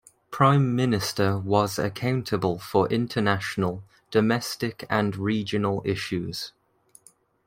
Prime minister was accountable for international, domestic and regional issues.